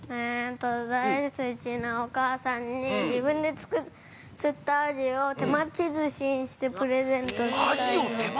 ◆大好きなお母さんに、自分で釣ったアジを手巻きずしにして、プレゼントしたいので。